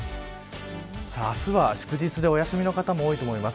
明日は祝日でお休みの方も多いと思います。